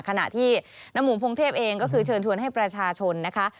ขณะที่น้ำหมูพงเทพเองก็คือเชิญชวนให้ประชาชนนะคะ